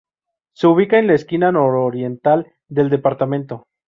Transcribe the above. Se ubica en la esquina nororiental del departamento.